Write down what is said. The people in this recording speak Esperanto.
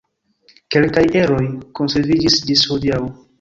Kelkaj eroj konserviĝis ĝis hodiaŭ.